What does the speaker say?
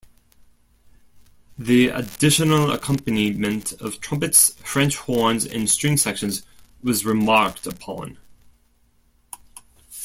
The additional accompaniment of trumpets, french-horns and string sections was remarked upon.